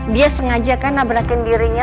dia sengaja kan nabrakin dirinya